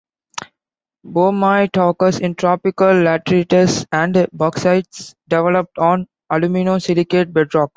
Boehmite occurs in tropical laterites and bauxites developed on alumino-silicate bedrock.